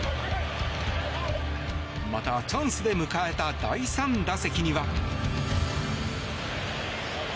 またチャンスで迎えた第３打席には。